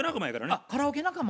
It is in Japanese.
あっカラオケ仲間。